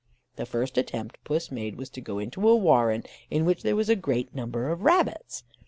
The first attempt Puss made was to go into a warren, in which there was a great number of rabbits.